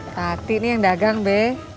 tati nih yang dagang be